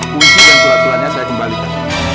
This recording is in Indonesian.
kunci dan tulang tulangnya saya kembalikan